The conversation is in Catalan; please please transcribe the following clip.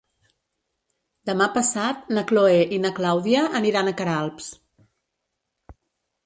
Demà passat na Chloé i na Clàudia aniran a Queralbs.